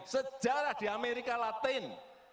sejarah di amerika latin